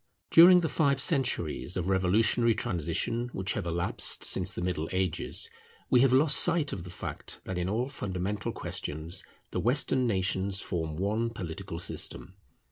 During the five centuries of revolutionary transition which have elapsed since the Middle Ages, we have lost sight of the fact that in all fundamental questions the Western nations form one political system.